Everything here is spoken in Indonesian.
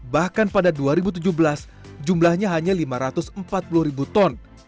bahkan pada dua ribu tujuh belas jumlahnya hanya lima ratus empat puluh ribu ton